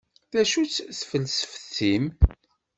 D acu-tt tfelseft-im?